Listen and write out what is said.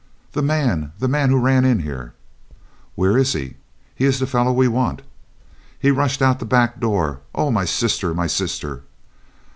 "The man! the man who ran in here!" "Where is he? He is the fellow we want." "He rushed out of the back door. Oh! my sister, my sister!"